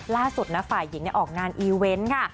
ล่าสุดนะฝ่ายหญิงออกงานอีเวนต์ค่ะ